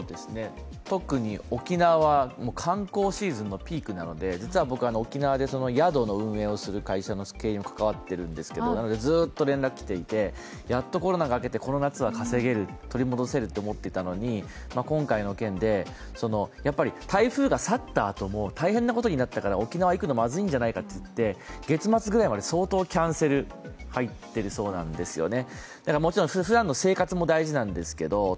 特に沖縄、観光シーズンのピークなので実は僕、沖縄で宿の運営をする会社の経営にも関わってるんですけどずっと連絡が来ていてやっとコロナが明けてこの夏は稼げる、取り戻せると思っていたのに、今回の件で台風が去ったあとも大変なことになったから沖縄行くのまずいんじゃないかって言って、月末ぐらいまで相当キャンセル入っているそうなんですよね。